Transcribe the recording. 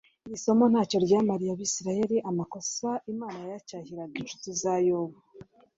Iri somo ntacyo ryamariye Abisiraeli. Amakosa Imana yacyahiraga inshuti za Yobu,